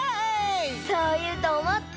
そういうとおもって。